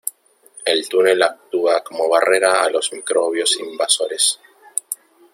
El túnel actúa como barrera a los microbios invasores.